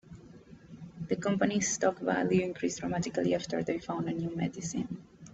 The company's stock value increased dramatically after they found a new medicine.